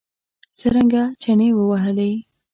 څرنګه چنې ووهلې.